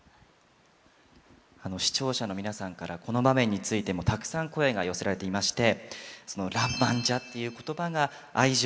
視聴者の皆さんからこの場面についてもたくさん声が寄せられていまして。